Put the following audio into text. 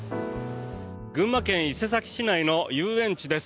群馬県伊勢崎市内の遊園地です。